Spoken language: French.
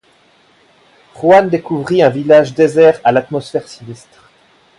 Juan découvre un village désert à l'atmosphère sinistre.